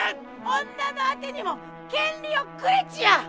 女のあてにも権利をくれちゃ！